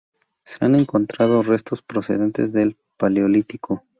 Se han encontrado restos procedentes del Paleolítico.